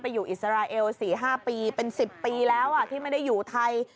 อยู่อิสราเอล๔๕ปีเป็น๑๐ปีแล้วที่ไม่ได้อยู่ไทย